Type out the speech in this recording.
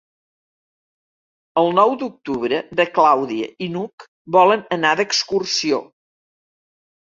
El nou d'octubre na Clàudia i n'Hug volen anar d'excursió.